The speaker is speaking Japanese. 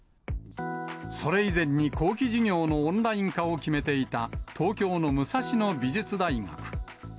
それ以前に、後期授業のオンライン化を決めていた東京の武蔵野美術大学。